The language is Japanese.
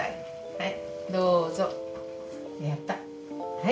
はい。